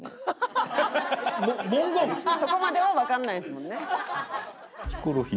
そこまではわからないですもんね。